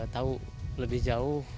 tahu lebih jauh